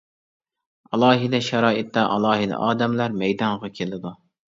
ئالاھىدە شارائىتتا ئالاھىدە ئادەملەر مەيدانغا كېلىدۇ.